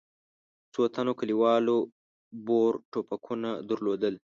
څو تنو کلیوالو بور ټوپکونه درلودل.